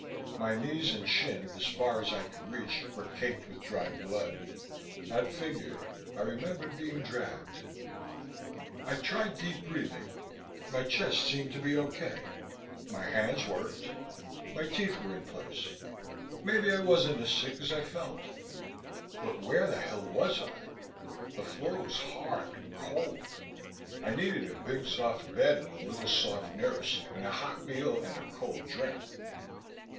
My knees and shin, as far as I could reach, were caked with dried blood. That figured: I remembered being dragged. I tried deep breathing; my chest seemed to be okay. My hands worked. My teeth were in place. Maybe I wasn't as sick as I felt. But where the hell was I? The floor was hard, cold. I needed a big soft bed and a little soft nurse and a hot meal and a cold drink....